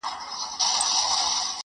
خو زاړه کيسې لا هم اوري